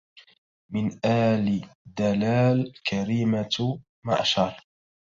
من آل دلال كريمة معشر